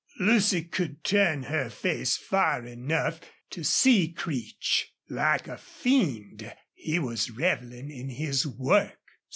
Lucy could turn her face far enough to see Creech. Like a fiend he was reveling in his work.